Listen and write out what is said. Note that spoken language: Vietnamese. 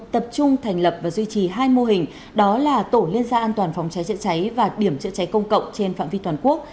tập trung thành lập và duy trì hai mô hình đó là tổ liên gia an toàn phòng cháy chữa cháy và điểm chữa cháy công cộng trên phạm vi toàn quốc